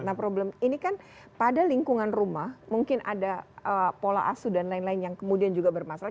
nah problem ini kan pada lingkungan rumah mungkin ada pola asu dan lain lain yang kemudian juga bermasalah